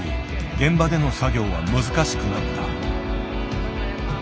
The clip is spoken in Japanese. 現場での作業は難しくなった。